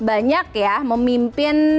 banyak ya memimpin